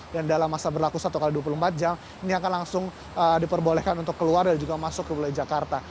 dan dalam masa berlaku satu x dua puluh empat jam ini akan langsung diperbolehkan untuk keluar dan juga masuk ke wilayah jakarta